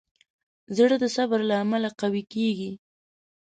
زړه د صبر له امله قوي کېږي.